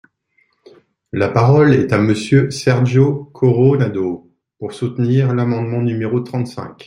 La parole est à Monsieur Sergio Coronado, pour soutenir l’amendement numéro trente-cinq.